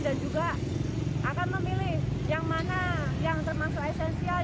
dan juga akan memilih yang mana yang termasuk esensial